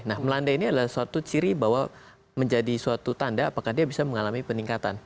nah melanda ini adalah suatu ciri bahwa menjadi suatu tanda apakah dia bisa mengalami peningkatan